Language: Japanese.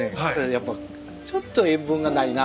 やっぱちょっと塩分がないな。